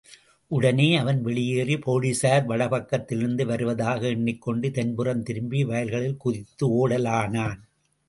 உடனே அவன் வெளியேறி, போலிஸார் வடபக்கத்திலிருந்து வருவதாக எண்ணிக்கொண்டு தென்புறம் திரும்பி வயல்களில் குதித்து ஒடலானான்.